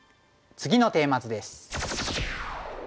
次のテーマ図です。